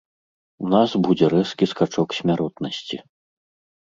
У нас будзе рэзкі скачок смяротнасці.